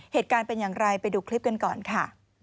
เหตุการณ์เป็นอย่างไรไปดูคลิปกันก่อนค่ะ